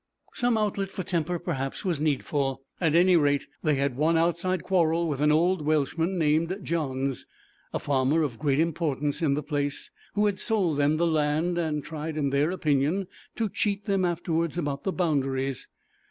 Some outlet for temper perhaps was needful. At any rate they had one outside quarrel with an old Welshman named Johns, a farmer of great importance in the place, who had sold them the land and tried, in their opinion, to cheat them afterwards about the boundaries.